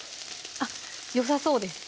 あっよさそうです